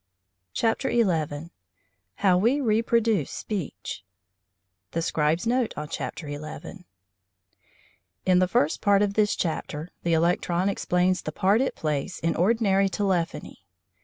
CHAPTER XI HOW WE REPRODUCE SPEECH THE SCRIBE'S NOTE ON CHAPTER ELEVEN In the first part of this chapter the electron explains the part it plays in ordinary telephony.